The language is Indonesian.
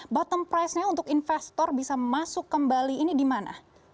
bottom price nya untuk investor bisa masuk kembali ini di mana